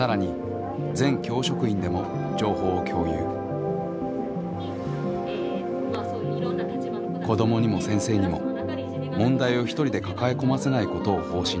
更に子どもにも先生にも問題を一人で抱え込ませないことを方針に掲げています。